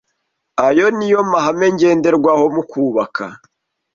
Ayo ni yo mahame ngenderwaho mu kubaka